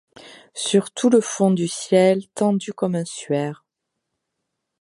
Sur tout le fond du ciel tendu comme un suaire